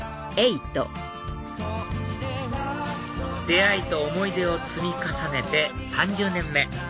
出会いと思い出を積み重ねて３０年目